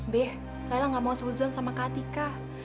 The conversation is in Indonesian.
be lela ga mau sehuzon sama kak atika